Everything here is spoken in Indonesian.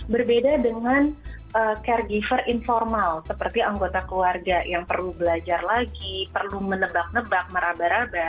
berbeda dengan caregiver informal seperti anggota keluarga yang perlu belajar lagi perlu menebak nebak meraba raba